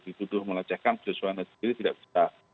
dituduh melecehkan joshua nya sendiri tidak bisa